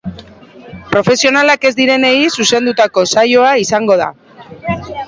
Profesionalak ez direnei zuzendutako saioa izango da.